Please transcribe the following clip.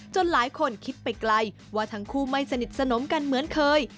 หลายคนคิดไปไกลว่าทั้งคู่ไม่สนิทสนมกันเหมือนเคย